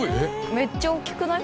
めっちゃ大きくない？